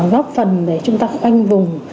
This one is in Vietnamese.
góp phần để chúng ta khoanh vùng